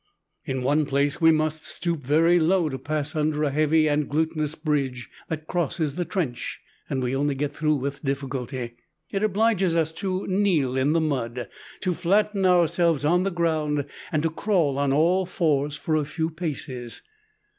In one place we must stoop very low to pass under a heavy and glutinous bridge that crosses the trench, and we only get through with difficulty. It obliges us to kneel in the mud, to flatten ourselves on the ground, and to crawl on all fours for a few paces.